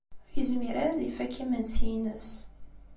Ur yezmir ara ad ifakk imensi-ines.